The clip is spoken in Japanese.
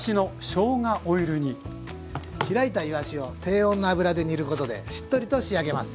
開いたいわしを低温の油で煮ることでしっとりと仕上げます。